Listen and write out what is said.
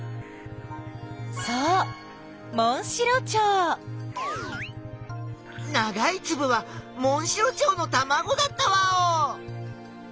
そうながいつぶはモンシロチョウのたまごだったワオ！